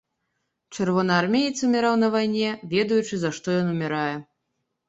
Чырвонаармеец уміраў на вайне, ведаючы, за што ён умірае.